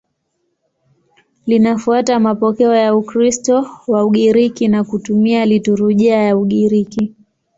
Linafuata mapokeo ya Ukristo wa Ugiriki na kutumia liturujia ya Ugiriki.